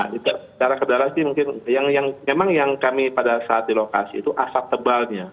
secara kedalaman sih mungkin yang memang yang kami pada saat di lokasi itu asap tebalnya